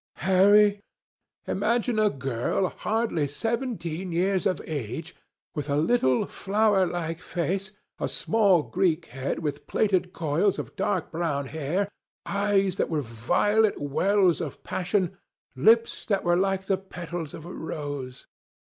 Harry, imagine a girl, hardly seventeen years of age, with a little, flowerlike face, a small Greek head with plaited coils of dark brown hair, eyes that were violet wells of passion, lips that were like the petals of a rose.